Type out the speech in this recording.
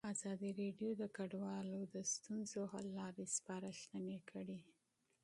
ازادي راډیو د کډوال د ستونزو حل لارې سپارښتنې کړي.